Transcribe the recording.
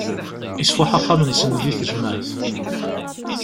Isfuḥ axxam-nsen di tejmaεt.